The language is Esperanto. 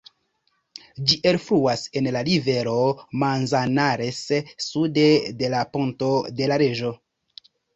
Ĝi elfluas en la rivero Manzanares, sude de la Ponto de la Reĝo.